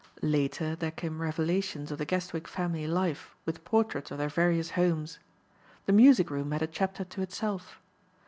Later there came revelations of the Guestwick family life with portraits of their various homes. The music room had a chapter to itself.